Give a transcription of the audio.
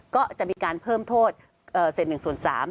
ก็จะมีการเพิ่มโทษเสร็จหนึ่งส่วนสาม